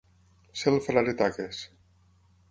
Ser el frare taques.